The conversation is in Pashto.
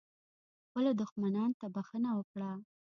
خپلو دښمنانو ته بښنه وکړه .